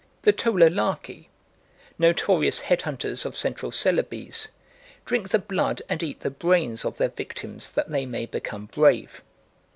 The Tolalaki, notorious head hunters of Central Celebes, drink the blood and eat the brains of their victims that they may become brave.